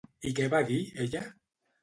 I què va dir, ella?